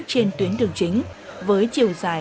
trên tuyến đường chính với chiều dài